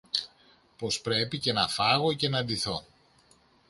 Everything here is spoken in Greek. πως πρέπει και να φάγω και να ντυθώ!